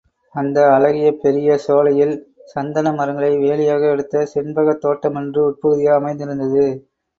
அந்த அழகிய பெரிய சோலையில் சந்தன மரங்களை வேலியாக எடுத்த சண்பகத் தோட்டமொன்று உட்பகுதியாக அமைந்திருந்தது.